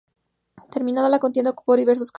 Terminada la contienda, ocupó diversos cargos.